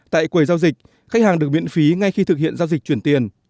tại quầy giao dịch khách hàng được miễn phí ngay khi thực hiện giao dịch chuyển tiền